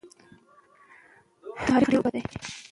تاسو د تاریخ له پېښو څخه د خپل راتلونکي لپاره درسونه واخلئ.